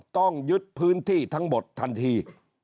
ต้องยึดพื้นที่ทั้งหมดทันที